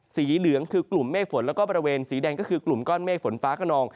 สีเหลืองคือกลุ่มเมฆฝนแล้วก็บริเวณสีแดงก็คือกลุ่มก้อนเมฆฝนฟ้าขนอง